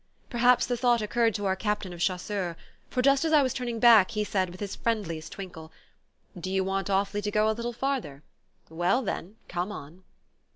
Perhaps the thought occurred to our Captain of Chasseurs; for just as I was turning back he said with his friendliest twinkle: "Do you want awfully to go a little farther? Well, then, come on."